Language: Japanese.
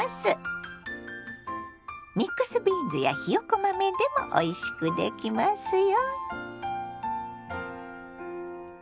ミックスビーンズやひよこ豆でもおいしくできますよ。